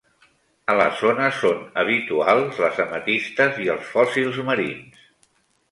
A la zona són habituals les ametistes i els fòssils marins.